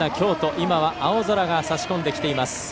今は青空が差し込んでいます。